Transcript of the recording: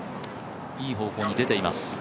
いい方向に出ています。